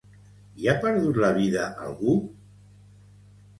Hi ha perdut la vida algú?